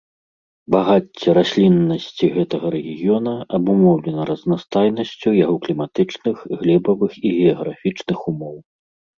Багацце расліннасці гэтага рэгіёна абумоўлена разнастайнасцю яго кліматычных, глебавых і геаграфічных умоў.